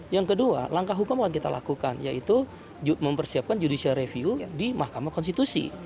yang kedua langkah hukum akan kita lakukan yaitu mempersiapkan judicial review di mahkamah konstitusi